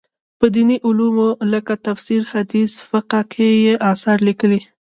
په دیني علومو لکه تفسیر، حدیث، فقه کې یې اثار لیکلي.